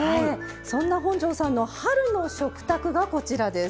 そんな本上さんの春の食卓がこちらです。